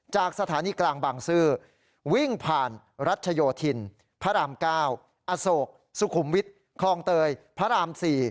จากสถานีกลางบางซื่อวิ่งผ่านรัชโยธินพระราม๙อโศกสุขุมวิทย์คลองเตยพระราม๔